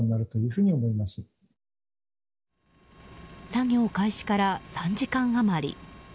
作業開始から３時間余り。